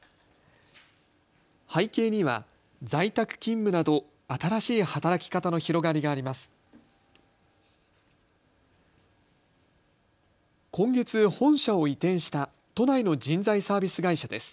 背景には在宅勤務など新しい働き方の広がりがあります。